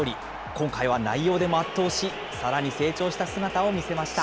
今回は内容でも圧倒し、さらに成長した姿を見せました。